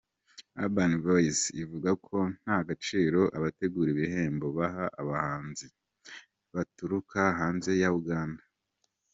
Urban Boyz ivuga ko nta gaciro abategura ibihembo baha abahanzi baturuka hanze ya Uganda.